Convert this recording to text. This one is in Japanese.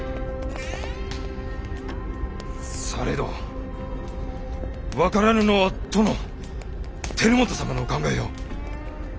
されど分からぬのは殿輝元様のお考えよ。